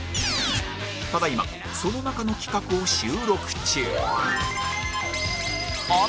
ただ今その中の企画を収録中